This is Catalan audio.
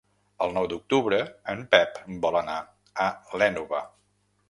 El nou d'octubre en Pep vol anar a l'Énova.